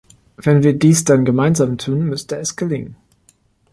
Wenn wir dies dann gemeinsam tun, müsste es gelingen.